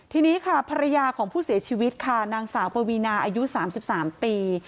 ทีนี้ค่ะภรรยาของผู้เสียชีวิตค่ะนางสาวปวีนาอายุ๓๓ปี